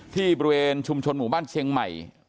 ที่บริเวณชุมชนหมู่บ้านเชียงใหม่